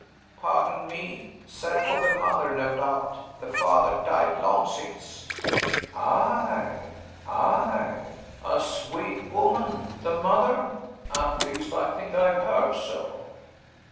"Pardon me, sad for the mother, no doubt. The father died long since." "Aye? aye? A sweet woman, the mother? At least, I think I have heard so."